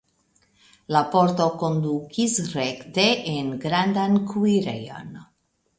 La pordo kondukis rekte en grandan kuirejon.